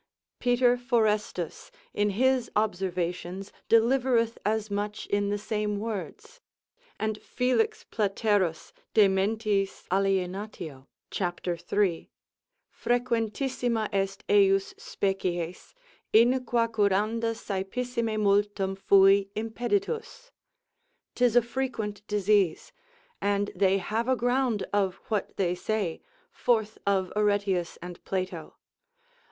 Peter Forestus in his observations delivereth as much in the same words: and Felix Platerus de mentis alienat. cap. 3. frequentissima est ejus species, in qua curanda saepissime multum fui impeditus; 'tis a frequent disease; and they have a ground of what they say, forth of Areteus and Plato.